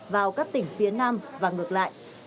vào các tỉnh phía nam và ngược lại